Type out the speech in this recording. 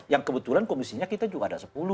yang kebetulan komisinya kita juga ada sepuluh